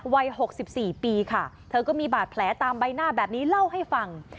วัย๖๔ปีค่ะเธอก็มีบาดแผลตามใบหน้าแบบนี้เล่าให้ฟัง